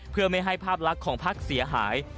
เพื่อไม่ให้ภาพลักษณ์ของพักเสียหาย